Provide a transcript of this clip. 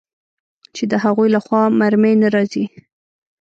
چې د هغوى له خوا مرمۍ نه راځي.